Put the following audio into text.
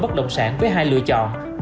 bất động sản với hai lựa chọn